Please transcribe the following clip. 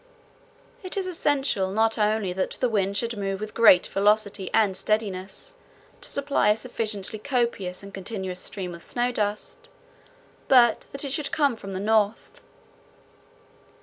It is essential not only that the wind should move with great velocity and steadiness to supply a sufficiently copious and continuous stream of snow dust, but that it should come from the north.